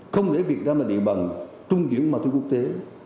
không để việt nam là địa bằng trung chuyển ma thu quốc tế